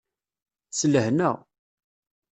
S lehna.